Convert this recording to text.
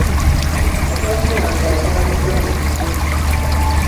Mutabani wange azaliddwa muzibe.